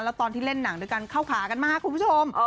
แล้วตอนที่เล่นหนังด้วยกันเข้าขากันมากคุณผู้ชม